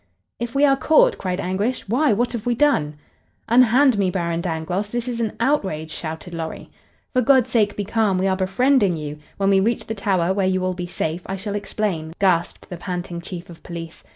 "If we are caught!" cried Anguish. "Why, what have we done?" "Unhand me, Baron Dangloss! This is an outrage!" shouted Lorry. "For God's sake, be calm! We are befriending you. When we reach the Tower, where you will be safe, I shall explain," gasped the panting Chief of Police.